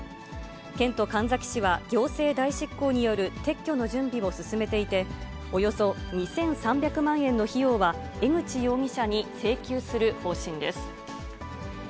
県と神埼市は行政代執行による撤去の準備を進めていて、およそ２３００万円の費用は、江口容疑者に請求する方針です。